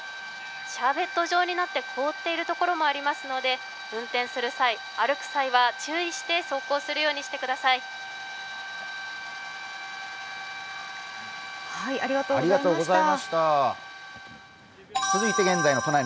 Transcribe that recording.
シャーベット状になって凍った所もあるので運転する際、歩く際は注意して走行するようにしてください。